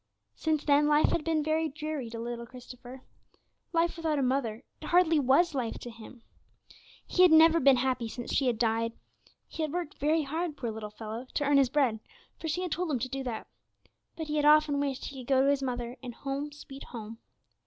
Since then, life had been very dreary to little Christopher. Life without a mother, it hardly was life to him. He had never been happy since she had died. He had worked very hard, poor little fellow, to earn his bread, for she had told him to do that. But he had often wished he could go to his mother in "Home, sweet Home."